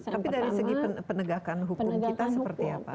tapi dari segi penegakan hukum kita seperti apa